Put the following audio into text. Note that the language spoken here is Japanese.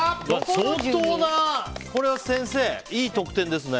相当な、これは先生、いい得点ですね。